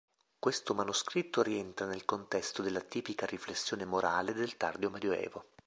Questo manoscritto rientra nel contesto della tipica riflessione morale del tardo Medioevo.